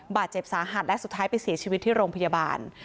บาดเจ็บสาหัสและสุดท้ายไปเสียชีวิตที่โรงพยาบาล